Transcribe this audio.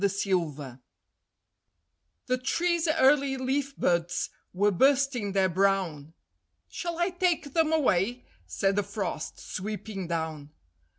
THE TREE The tree's early leaf buds were bursting their brown; "Shall I take them away?" said the Frost, sweeping down.